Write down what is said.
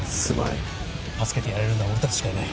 助けてやれるのは俺たちしかいない。